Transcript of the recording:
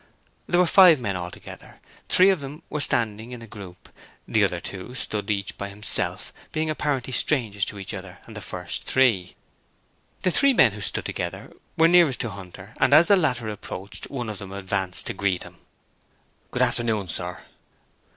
There were five men altogether; three of them were standing in a group, the other two stood each by himself, being apparently strangers to each other and the first three. The three men who stood together were nearest to Hunter and as the latter approached, one of them advanced to meet him. 'Good afternoon, sir.'